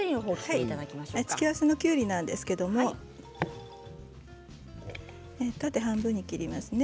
付け合わせのきゅうりなんですが縦半分に切りますね。